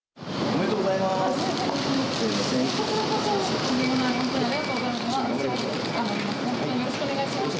おめでとうございます。